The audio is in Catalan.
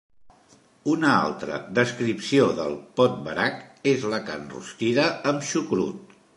Una altra descripció del podvarak és la carn rostida amb xucrut.